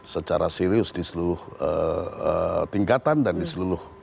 secara serius di seluruh tingkatan dan di seluruh